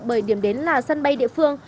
bởi điểm đến là sân bay địa phương